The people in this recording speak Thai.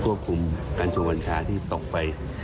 ควบคุมกัญจงกัญชาที่ตกไป